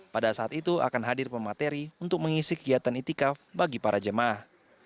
pada saat itu akan hadir pemateri untuk mengisi kegiatan itikaf bagi para jemaah